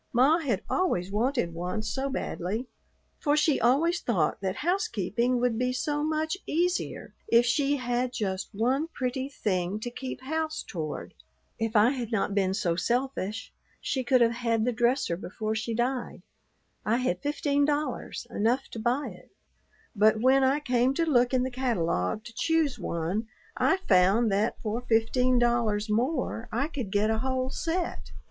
Ma had always wanted one so badly; for she always thought that housekeeping would be so much easier if she had just one pretty thing to keep house toward. If I had not been so selfish, she could have had the dresser before she died. I had fifteen dollars, enough to buy it, but when I came to look in the catalogue to choose one I found that for fifteen dollars more I could get a whole set.